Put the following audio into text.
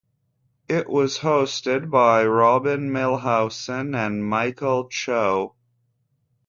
It was hosted by Robin Milhausen and Michael Cho.